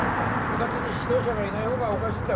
部活に指導者がいないほうがおかしいんだ。